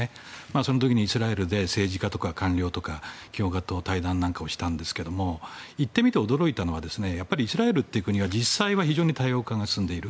その時にイスラエルで政治家などと対談したんですけど行ってみて驚いたのはイスラエルという国は実際は非常に多様化が進んでいる。